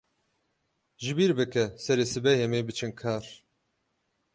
Ji bîr bike, serê sibehê em ê biçin kar.